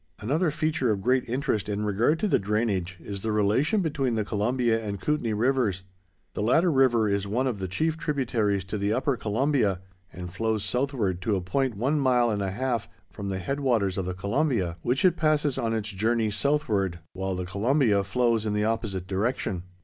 Another feature of great interest in regard to the drainage is the relation between the Columbia and Kootanie rivers. The latter river is one of the chief tributaries to the upper Columbia, and flows southward to a point one mile and a half from the head waters of the Columbia, which it passes on its journey southward, while the Columbia flows in the opposite direction.